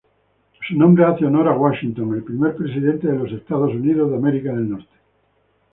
Su nombre hace honor a George Washington, el primer presidente de los Estados Unidos.